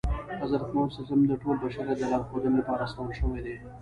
حضرت محمد ص د ټول بشریت د لارښودنې لپاره را استول شوی دی.